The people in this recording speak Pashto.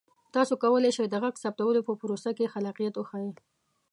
تاسو کولی شئ د غږ ثبتولو په پروسه کې خلاقیت وښایئ.